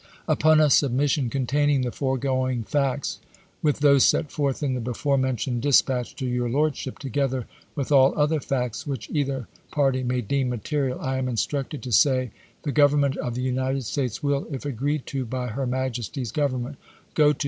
Upon a submission containing the foregoing facts, with those set forth in the before mentioned dispatch to 3 our Lordship, together with all other facts which either part}^ may deem material, I am instructed to say, the Government of the United States will, if agreed to by her Majesty's Government, go to